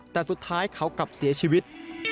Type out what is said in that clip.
แต่สุดท้ายเขากลับเสียชีวิต